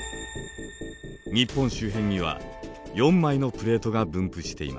日本周辺には４枚のプレートが分布しています。